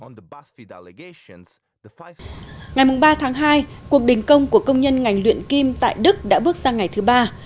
ngày ba tháng hai cuộc đình công của công nhân ngành luyện kim tại đức đã bước sang ngày thứ ba